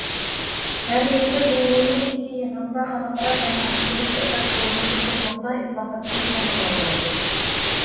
ھەر يىلقى جۇڭگونىڭ ئىككى يىغىنىدا خەلقئارا جامائەتچىلىك دىققەت قىلىدىغان قىزىق نۇقتا ئىسلاھاتتىن ئايرىلالمايدۇ.